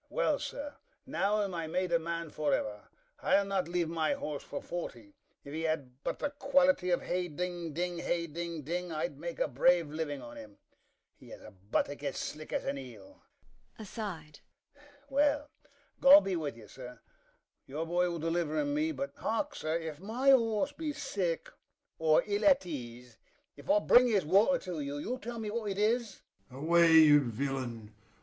Well, sir. Now am I made man for ever: I'll not leave my horse for forty: if he had but the quality of hey ding ding, hey ding ding, I'd make a brave living on him: he has a buttock as slick as an eel [Aside]. Well, God b'wi'ye, sir: your boy will deliver him me: but, hark you, sir; if my horse be sick or ill at ease, if I bring his water to you, you'll tell me what it is? FAUSTUS. Away, you villain!